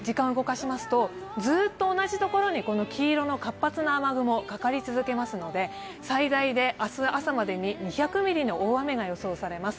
ずっと同じ所に黄色の活発な雨雲がかかり続けますので、最大で明日朝までに２００ミリの大雨が予想されます。